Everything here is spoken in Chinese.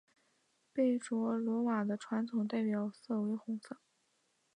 贝卓罗瓦的传统代表色为红色。